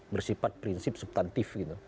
bersifat prinsip subtantif gitu